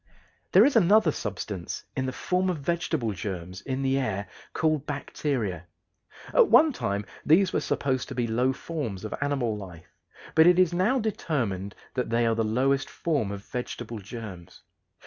There is another substance in the form of vegetable germs in the air called bacteria. At one time these were supposed to be low forms of animal life, but it is now determined that they are the lowest forms of vegetable germs.